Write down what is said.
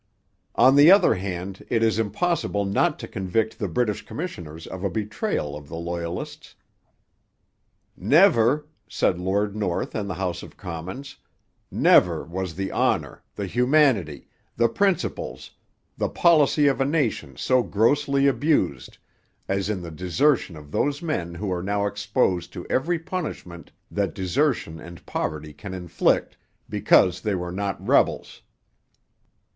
On the other hand it is impossible not to convict the British commissioners of a betrayal of the Loyalists. 'Never,' said Lord North in the House of Commons, 'never was the honour, the humanity, the principles, the policy of a nation so grossly abused, as in the desertion of those men who are now exposed to every punishment that desertion and poverty can inflict, because they were not rebels.'